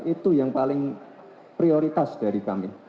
itu yang paling prioritas dari kami